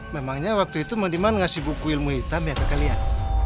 memangnya waktu itu modiman ngasih buku ilmu hitam ya ke kalian